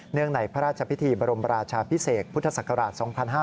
ในพระราชพิธีบรมราชาพิเศษพุทธศักราช๒๕๕๙